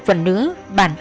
những người tui thích woman